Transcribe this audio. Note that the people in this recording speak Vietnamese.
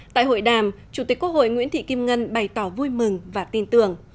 tại hội đàm chủ tịch quốc hội nguyễn thị kim ngân bày tỏ vui mừng và tin tưởng